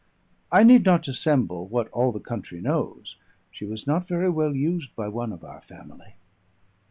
I need not dissemble what all the country knows: she was not very well used by one of our family."